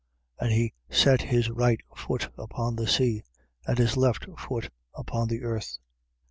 And he set his right foot upon the sea, and his left foot upon the earth.